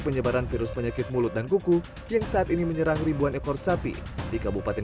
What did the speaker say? penyebaran virus penyakit mulut dan kuku yang saat ini menyerang ribuan ekor sapi di kabupaten